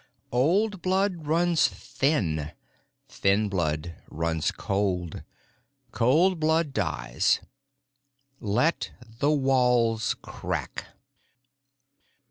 "Old blood runs thin. Thin blood runs cold. Cold blood dies. Let the walls crack."